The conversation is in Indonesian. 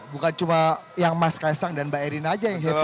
bukan cuma yang mas kaisang dan mbak erin aja yang happy